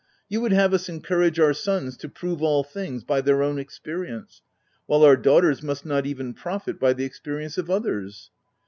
You would have us encourage our sons to prove all things by their own experience, while our daughters must not even profit by the experience of others.